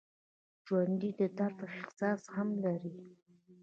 ژوندي د درد احساس هم لري